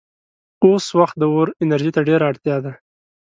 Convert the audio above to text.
اوس وخت د اور انرژۍ ته ډېره اړتیا ده.